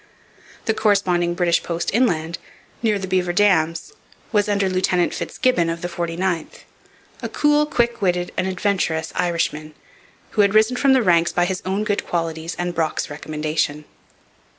The corresponding British post inland, near the Beaver Dams, was under Lieutenant FitzGibbon of the 49th, a cool, quick witted, and adventurous Irishman, who had risen from the ranks by his own good qualities and Brock's recommendation.